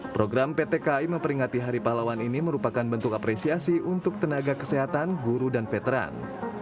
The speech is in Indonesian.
program pt kai memperingati hari pahlawan ini merupakan bentuk apresiasi untuk tenaga kesehatan guru dan veteran